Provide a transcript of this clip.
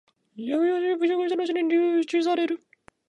略奪し、凌辱したのちに留置される。